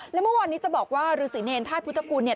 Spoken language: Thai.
แล้วเมื่อวานนี้จะบอกว่ารุศิเนยนทาสพุทธกูลเนี่ย